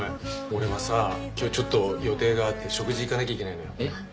俺はさ今日ちょっと予定があって食事行かなきゃいけないのよ。